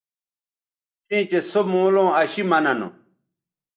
چیئں چہء سو مولوں اشی مہ ننوں